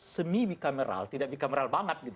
semi bicameral tidak bicameral banget